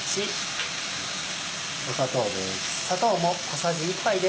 砂糖です。